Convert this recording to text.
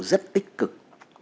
rất tích cực